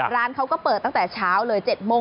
ร้านเขาก็เปิดตั้งแต่เช้าเลย๗โมง